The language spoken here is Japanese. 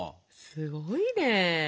すごいね。